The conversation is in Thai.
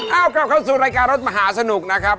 เอากลับเข้าสู่รายการรถมหาสนุกนะครับ